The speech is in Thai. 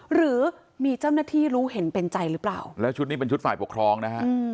หรือมีเจ้าหน้าที่รู้เห็นเป็นใจหรือเปล่าแล้วชุดนี้เป็นชุดฝ่ายปกครองนะฮะ